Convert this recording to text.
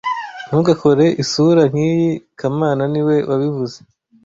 Ntugakore isura nkiyi kamana niwe wabivuze